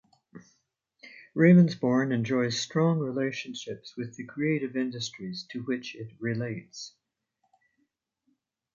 Ravensbourne enjoys strong relationships with the creative industries to which it relates.